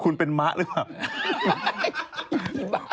คุณเป็นมะหรือเปล่า